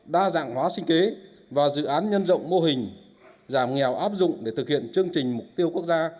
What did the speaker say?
đa dạng hóa sinh kế và dự án nhân rộng mô hình giảm nghèo áp dụng để thực hiện chương trình mục tiêu quốc gia